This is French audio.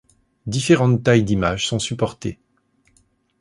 Différentes tailles d'image sont supportées.